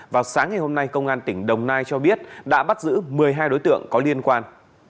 vào sáng ngày hôm nay công an tỉnh đồng nai cho biết đã bắt giữ một mươi hai đối tượng có liên quan